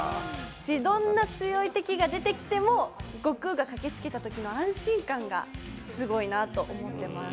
どんな強い敵が出てきても悟空が駆けつけたときの安心感がすごいなと思ってます。